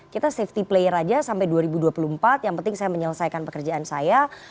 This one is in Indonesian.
kita safety player aja sampai dua ribu dua puluh empat yang penting saya menyelesaikan pekerjaan saya